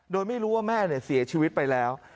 โดยไม่รู้ว่าแม่เสียชีวิตไปแล้ว